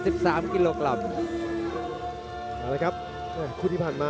พบสมัครที่ทุกคน